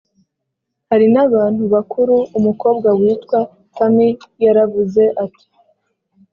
hari n abantu bakuru umukobwa witwa tammy yaravuze ati